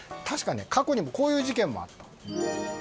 確かに過去にこういう事件があった。